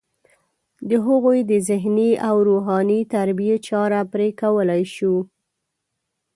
د هغوی د ذهني او روحاني تربیې چاره پرې کولی شي.